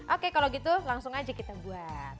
oke kalau gitu langsung aja kita buat